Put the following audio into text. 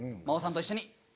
マオさんと一緒に。